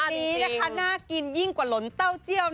อันนี้นะคะน่ากินยิ่งกว่าหลนเต้าเจียว